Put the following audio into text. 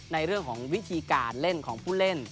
ในเรื่องของวิธีการเล่นของผู้เล่น